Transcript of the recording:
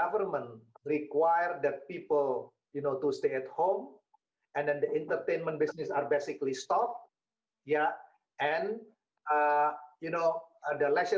perkembangan ekonomi di jakarta telah meningkat secara signifikan di